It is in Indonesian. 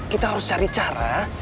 kita harus cari cara